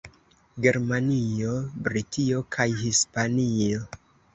Germanio, Britio kaj Hispanio.